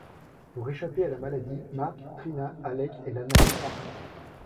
Pour échapper à la maladie Mark, Trina, Alec et Lana partent.